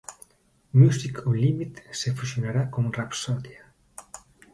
Music Unlimited se fusionaría con Rhapsody.